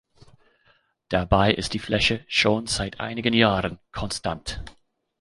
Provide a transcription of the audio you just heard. Dabei ist die Fläche schon seit einigen Jahren konstant.